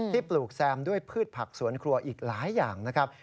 ปลูกแซมด้วยพืชผักสวนครัวอีกหลายอย่างนะครับ